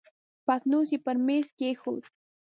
پتنوس يې پر مېز کېښود.